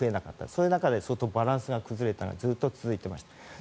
そういったバランスが崩れた状態がずっと続いていました。